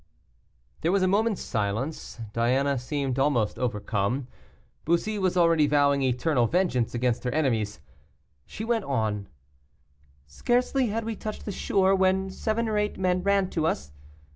There was a moment's silence. Diana seemed almost overcome. Bussy was already vowing eternal vengeance against her enemies. She went on: "Scarcely had we touched the shore, when seven or eight men ran to us.